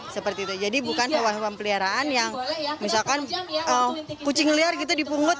seperti itu jadi bukan hewan hewan peliharaan yang misalkan kucing liar gitu dipungut